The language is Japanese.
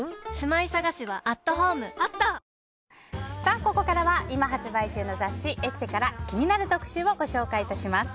ここからは今発売中の雑誌「ＥＳＳＥ」から気になる特集をご紹介いたします。